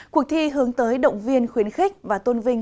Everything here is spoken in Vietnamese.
cuộc thi hướng tới động viên khuyến khích và tôn vinh